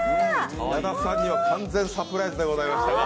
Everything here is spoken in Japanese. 矢田さんには完全サプライズでございましたね。